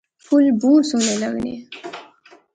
پُھل بہوں سونے لغنے